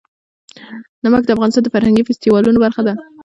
نمک د افغانستان د فرهنګي فستیوالونو برخه ده.